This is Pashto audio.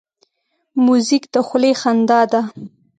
موزیک د خولې خندا ده.